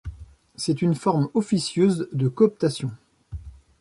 C'est une forme officieuse de cooptation.